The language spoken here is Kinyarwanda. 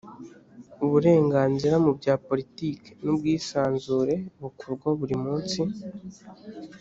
uburenganzira mu bya politiki n ‘ubwisanzure bukorwa burimusi.